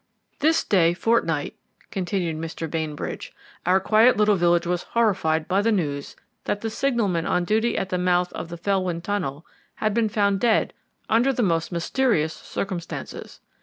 "This day fortnight," continued Mr. Bainbridge, "our quiet little village was horrified by the news that the signalman on duty at the mouth of the Felwyn Tunnel had been found dead under the most mysterious circumstances.